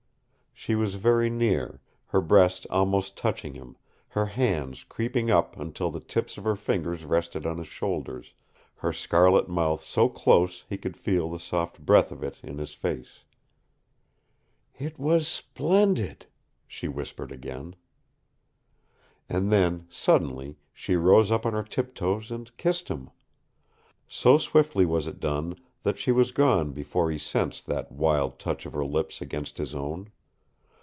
She was very near, her breast almost touching him, her hands creeping up until the tips of her fingers rested on his shoulders, her scarlet mouth so close he could feel the soft breath of it in his face. "It was splendid!" she whispered again. And then, suddenly, she rose up on her tiptoes and kissed him. So swiftly was it done that she was gone before he sensed that wild touch of her lips against his own.